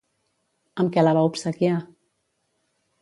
Amb què la va obsequiar?